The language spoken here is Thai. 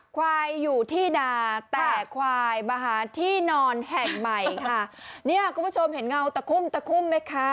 ควายอยู่ที่นาแต่ควายมาหาที่นอนแห่งใหม่ค่ะเนี่ยคุณผู้ชมเห็นเงาตะคุ่มตะคุ่มไหมคะ